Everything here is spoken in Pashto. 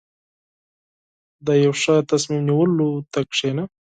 • د یو ښه تصمیم نیولو ته کښېنه.